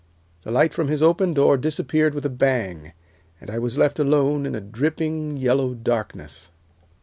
The light from his open door disappeared with a bang, and I was left alone in a dripping, yellow darkness.